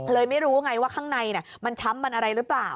ไม่รู้ไงว่าข้างในมันช้ำมันอะไรหรือเปล่า